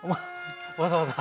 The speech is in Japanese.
わざわざ！